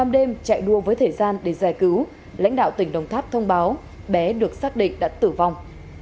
đêm chạy đua với thời gian để giải cứu lãnh đạo tỉnh đồng tháp thông báo bé được xác định đã tử vong